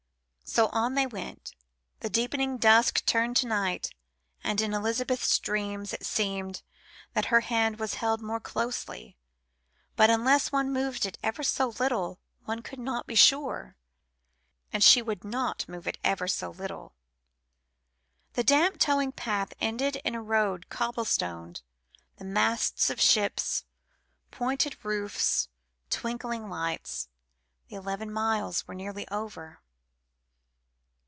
So on they went, the deepening dusk turned to night, and in Elizabeth's dreams it seemed that her hand was held more closely; but unless one moved it ever so little one could not be sure; and she would not move it ever so little. The damp towing path ended in a road cobblestoned, the masts of ships, pointed roofs, twinkling lights. The eleven miles were nearly over.